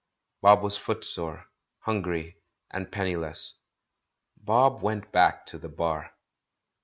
Bob was foot sore, hungry and penniless; Bob went back to the Bar.